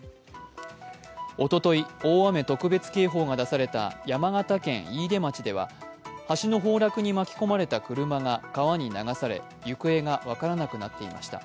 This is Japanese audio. おととい大雨特別警報が出された山形県飯豊町では、橋の崩落に巻き込まれた車が川に流され行方が分からなくなっていました。